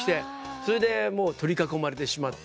それでもう取り囲まれてしまって。